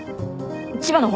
千葉の方。